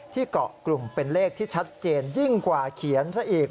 เกาะกลุ่มเป็นเลขที่ชัดเจนยิ่งกว่าเขียนซะอีก